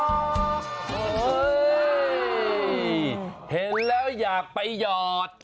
เห็นแล้วอยากไปหยอด